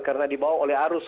karena dibawa oleh arus